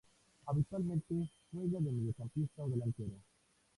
Habitualmente juega de mediocampista o delantero.